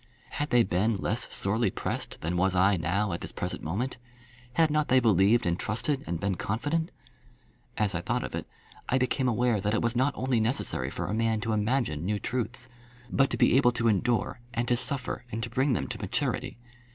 Had they been less sorely pressed than was I now at this present moment? Had not they believed and trusted and been confident? As I thought of it, I became aware that it was not only necessary for a man to imagine new truths, but to be able to endure, and to suffer, and to bring them to maturity.